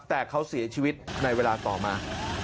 แต่เขาเสียชีวิตในเวลาต่อมา